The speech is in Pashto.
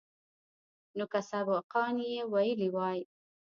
نو که سبقان يې ويلي واى.